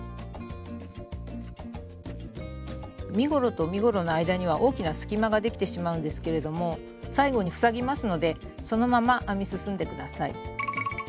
身ごろと身ごろの間には大きな隙間ができてしまうんですけれども最後に塞ぎますのでそのまま編み進んで下さい。